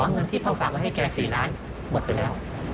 เงินที่พ่อฝากไว้ให้แก๔ล้านหมดไปแล้ว